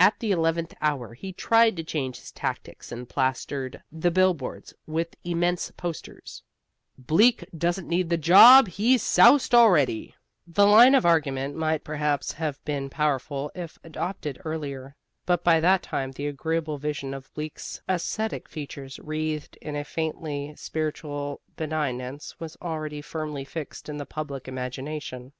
At the eleventh hour he tried to change his tactics and plastered the billboards with immense posters: BLEAK DOESN'T NEED THE JOB HE'S SOUSED ALREADY This line of argument might perhaps have been powerful if adopted earlier, but by that time the agreeable vision of Bleak's ascetic features wreathed in a faintly spiritual benignance was already firmly fixed in the public imagination.